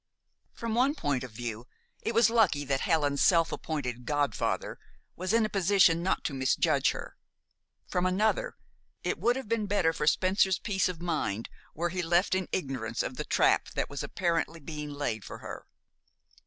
From one point of view, it was lucky that Helen's self appointed "godfather" was in a position not to misjudge her; from another, it would have been better for Spencer's peace of mind were he left in ignorance of the trap that was apparently being laid for her.